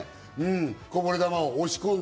こぼれ球を押し込んで。